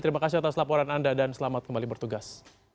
terima kasih atas laporan anda dan selamat kembali bertugas